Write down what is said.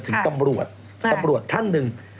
ถึงตำรวจตำรวจท่านหนึ่ง